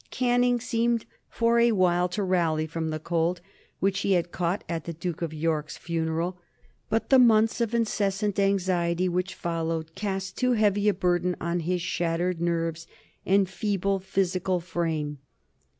Canning seemed for a while to rally from the cold which he had caught at the Duke of York's funeral, but the months of incessant anxiety which followed cast too heavy a burden on his shattered nerves and feeble physical frame.